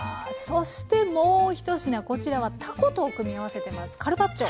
そしてもう１品こちらはたこと組み合わせてます。